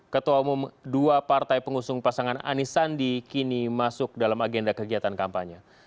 ketua umum dua partai pengusung pasangan anis sandi kini masuk dalam agenda kegiatan kampanye